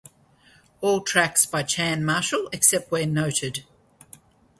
All tracks by Chan Marshall except where noted.